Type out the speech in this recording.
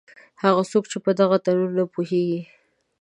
هغه څوک چې په دغه تنوع نه پوهېږي.